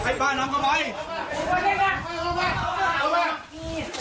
ยกตัวเลย